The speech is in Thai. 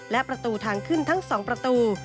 และประตูทางขึ้นทั้ง๒ประตู